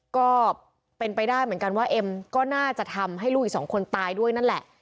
ก็เป็นไปได้เหมือนกันว่าเอ็มก็น่าจะทำให้ลูกอีกสองคนตายด้วยนั่นแหละ